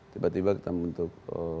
tiba tiba kita bentuk